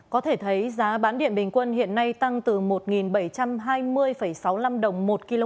có thể thấy giá bán điện bình quân hiện nay tăng từ một năm đến một năm trong tháng ba